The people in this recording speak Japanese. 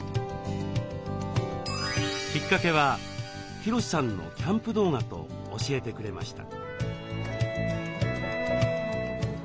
きっかけはヒロシさんのキャンプ動画と教えてくれました。